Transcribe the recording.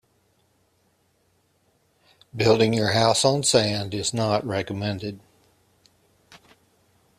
Building your house on sand is not recommended.